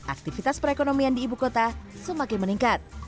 aktivitas perekonomian di ibu kota semakin meningkat